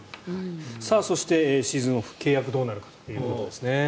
そして、シーズンオフ契約がどうなるかということですね。